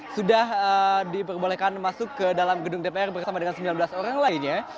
sudah diperbolehkan masuk ke dalam gedung dpr bersama dengan sembilan belas orang lainnya